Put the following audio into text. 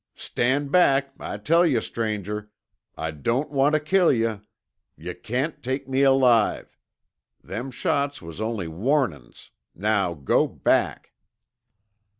"Stand back, I tell yuh, stranger. I don't want tuh kill yuh. Yuh can't take me alive. Them shots was only warnin's. Now go back."